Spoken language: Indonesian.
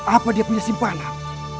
apa dia punya simpanan